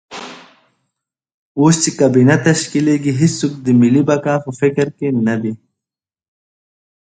اوس چې کابینه تشکیلېږي هېڅوک د ملي بقا په فکر کې نه دي.